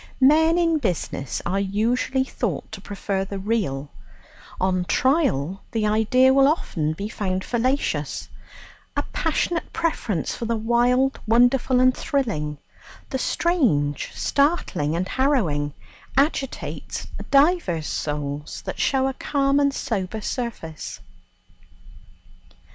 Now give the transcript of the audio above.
Men in business are usually thought to prefer the real; on trial the idea will be often found fallacious: a passionate preference for the wild, wonderful, and thrilling the strange, startling, and harrowing agitates divers souls that show a calm and sober surface.